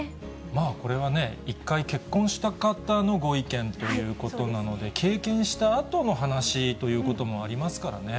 まあこれは、１回結婚した方のご意見ということなので、経験したあとの話ということもありますからね。